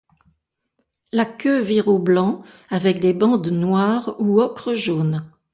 La queue vire au blanc, avec des bandes noires ou ocre-jaune.